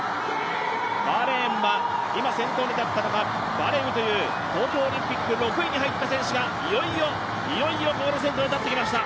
バーレーンは今、先頭に立ったのがバレウという東京オリンピック６位に入った選手がいよいよ先頭に立ってきました。